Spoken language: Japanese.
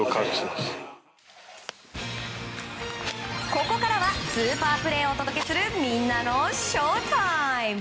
ここからはスーパープレーをお届けするみんなのＳＨＯＷＴＩＭＥ。